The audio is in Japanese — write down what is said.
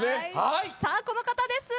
さあこの方です。